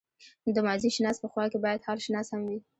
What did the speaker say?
د ماضيشناس په خوا کې بايد حالشناس هم وي.